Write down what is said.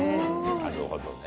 なるほどね。